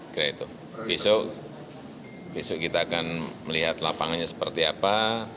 besok besok kita akan melihat lapangannya seperti apa